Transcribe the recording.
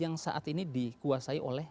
yang saat ini dikuasai oleh